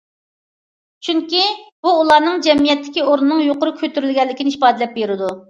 چۈنكى بۇ ئۇلارنىڭ جەمئىيەتتىكى ئورنىنىڭ يۇقىرى كۆتۈرۈلگەنلىكىنى ئىپادىلەپ بېرىدۇ.